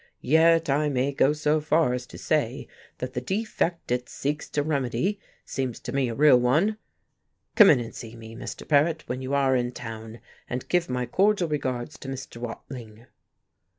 Yet I may go so far as to say that the defect it seeks to remedy seems to me a real one. Come in and see me, Mr. Paret, when you are in town, and give my cordial regards to Mr. Watling."